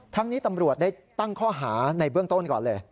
นี้ตำรวจได้ตั้งข้อหาในเบื้องต้นก่อนเลย